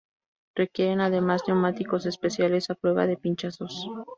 Requieren además neumáticos especiales a prueba de pinchazos.